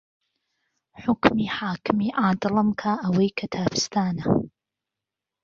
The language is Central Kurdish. حوکمی حاکمی عادڵم کا ئەوەی کە تابستانە